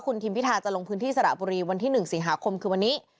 คุณทิมพิธาจะลงพื้นที่สระบุรีวันที่๑สิงหาคมคือวันนี้